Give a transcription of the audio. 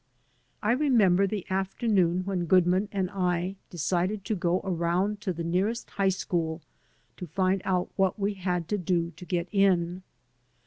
I remember the afternoon when Goodman and I decided to go around to the nearest high school to find out what we had to do to get in.